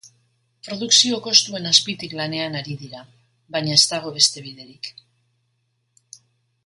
Produkzio kostuen azpitik lanean ari dira baina, ez dago beste biderik.